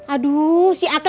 aduh si atau